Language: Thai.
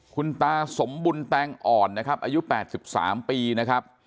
คุณตาสมบุญแตงอ่อนนะครับอายุ๘๓ปีนะครับ